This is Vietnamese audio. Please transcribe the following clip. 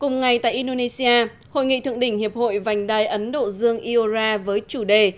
cùng ngày tại indonesia hội nghị thượng đỉnh hiệp hội vành đai ấn độ dương với chủ đề